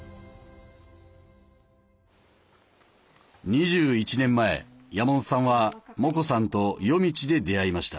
２１年前山本さんはモコさんと夜道で出会いました。